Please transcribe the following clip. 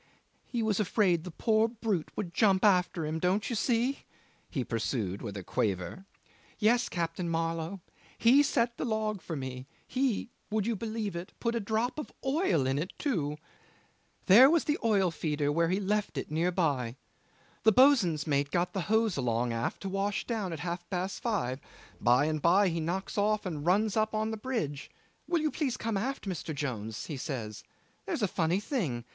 "He was afraid the poor brute would jump after him, don't you see?" he pursued with a quaver. "Yes, Captain Marlow. He set the log for me; he would you believe it? he put a drop of oil in it too. There was the oil feeder where he left it near by. The boat swain's mate got the hose along aft to wash down at half past five; by and by he knocks off and runs up on the bridge 'Will you please come aft, Mr. Jones,' he says. 'There's a funny thing.